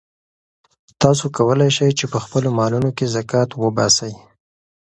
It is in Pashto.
تاسو کولای شئ چې په خپلو مالونو کې زکات وباسئ.